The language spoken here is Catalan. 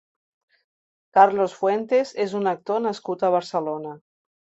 Carlos Fuentes és un actor nascut a Barcelona.